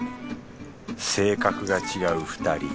性格が違う２人。